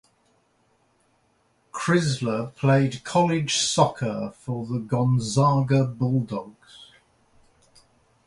Crisler played college soccer for the Gonzaga Bulldogs.